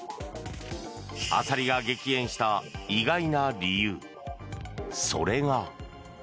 アサリが激減した意外な理由それが。